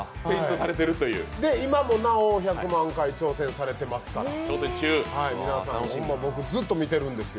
で、今もなお１００万回挑戦されてますから僕ずっと見てるんですよ。